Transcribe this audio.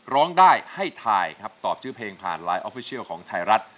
ร้องได้ให้ถ่ายครับตอบชื่อเพลงผ่านไลน์ออฟฟิเชียลของไทยรัฐ